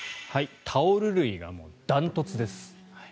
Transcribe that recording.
タオル類が断トツです。